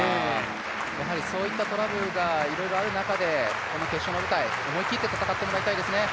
そういったトラブルがいろいろとある中で決勝の舞台思い切って戦ってもらいたいですね。